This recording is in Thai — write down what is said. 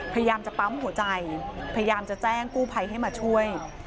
พยายามจะปั๊มหัวใจพยายามจะแจ้งกู้ภัยให้มาช่วย